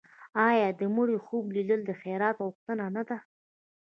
آیا د مړي خوب لیدل د خیرات غوښتنه نه ده؟